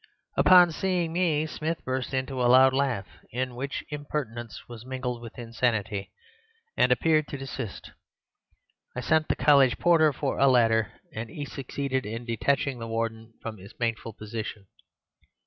Upon seeing me, Smith burst into a loud laugh (in which impertinence was mingled with insanity), and appeared to desist. I sent the college porter for a ladder, and he succeeded in detaching the Warden from his painful position.